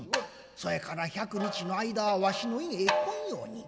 そやから１００日の間はわしの家へ来んように。